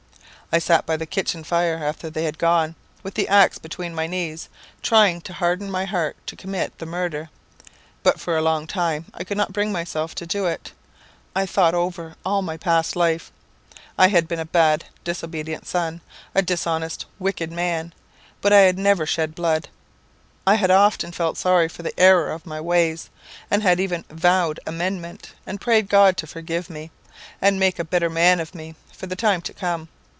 "I sat by the kitchen fire after they were gone, with the axe between my knees, trying to harden my heart to commit the murder; but for a long time I could not bring myself to do it. I thought over all my past life. I had been a bad, disobedient son a dishonest, wicked man; but I had never shed blood. I had often felt sorry for the error of my ways, and had even vowed amendment, and prayed God to forgive me, and make a better man of me for the time to come.